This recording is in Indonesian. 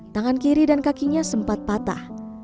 tangan kiri dan kakinya sempat patah